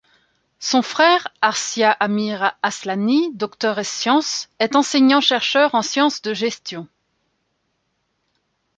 Son frère, Arsia Amir-Aslani, Docteur ès Sciences, est enseignant-chercheur en sciences de gestion.